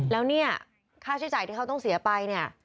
แล้วเนี่ยค่าใช้จ่ายที่เขาต้องเสียไปเนี่ย